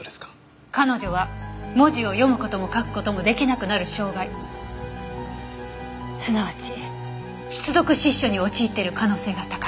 彼女は文字を読む事も書く事も出来なくなる障害すなわち失読失書に陥ってる可能性が高い。